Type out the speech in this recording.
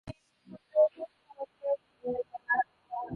hawa walijigawa katika mashirika mbalimbali kama ifuatavyo